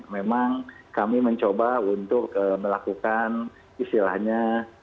memang kami mencoba untuk melakukan istilahnya